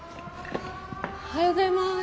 おはようございます。